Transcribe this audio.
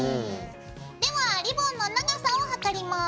ではリボンの長さを測ります。